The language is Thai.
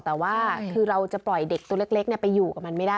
แต่ว่าคือเราจะปล่อยเด็กตัวเล็กไปอยู่กับมันไม่ได้